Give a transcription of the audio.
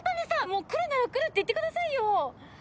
もう来るなら来るって言ってくださいよ！